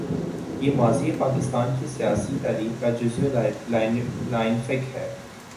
یہ ماضی پاکستان کی سیاسی تاریخ کا جزو لا ینفک ہے۔